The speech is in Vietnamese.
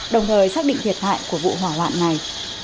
đồng thời xác định thiệt hại của vụ hỏa hoạn này